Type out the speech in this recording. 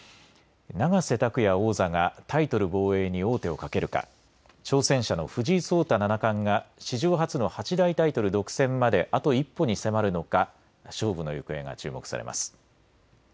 永瀬拓矢王座がタイトル防衛に王手をかけるか、挑戦者の藤井聡太七冠が史上初の八大タイトル独占まであと一歩に迫るのか、勝負の行方が注目されます。